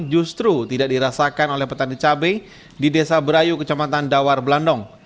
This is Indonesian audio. justru tidak dirasakan oleh petani cabai di desa berayu kecamatan dawar blandong